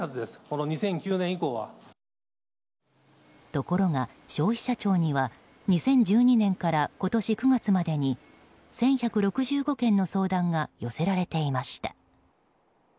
ところが消費者庁には２０１２年から今年９月までに１１６５件の相談が寄せられていました。